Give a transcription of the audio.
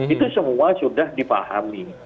itu semua sudah dipahami